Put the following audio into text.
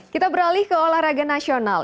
kita beralih ke olahraga nasional